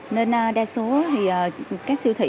nên đa số các siêu thị